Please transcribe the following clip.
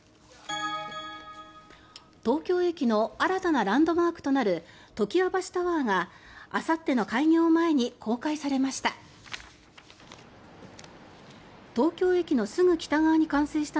東京駅の新たなランドマークとなる常盤橋タワーがあさっての開業を前に公開されました。